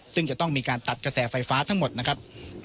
ซึ่งจะต้องมีการตัดกระแสไฟฟ้าทั้งหมดนะครับ